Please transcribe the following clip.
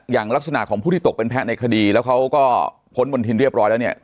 อย่างลักษณะของผู้ที่ตกเป็นแพ้ในคดีแล้วเขาก็พ้นมณฑินเรียบร้อยแล้วเนี่ย